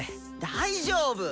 大丈夫！